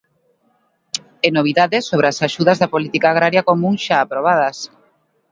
E novidades sobre as axudas da política agraria común xa aprobadas.